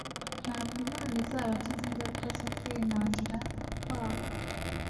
ntabwo imana izabakiza ingaruka zo kwinangira kwabo